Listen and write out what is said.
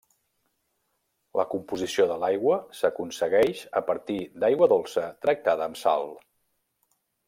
La composició de l'aigua s'aconsegueix a partir d'aigua dolça tractada amb sal.